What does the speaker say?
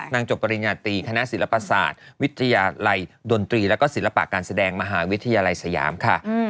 จบปริญญาตรีคณะศิลปศาสตร์วิทยาลัยดนตรีแล้วก็ศิลปะการแสดงมหาวิทยาลัยสยามค่ะ